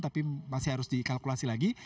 tapi masih harus dikalkulasi lagi